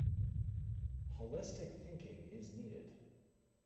Holistic thinking is needed.